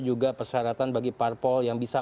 juga persyaratan bagi parpol yang bisa